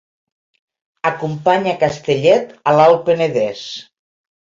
Acompanya Castellet a l'Alt Penedès.